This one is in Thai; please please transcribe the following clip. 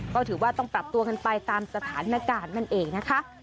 ก็ถือว่าต้องปรับตัวกันไปตามสถานการณ์นั่นเองนะคะ